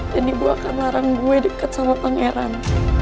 dan ibu akan larang gue deket sama pangeran